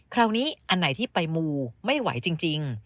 คราวนี้อันไหนที่ไปหมู่ไม่ไหวจริง